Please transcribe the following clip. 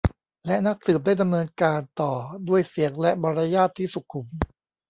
และนักสืบได้ดำเนินการต่อด้วยเสียงและมารยาทที่สุขุม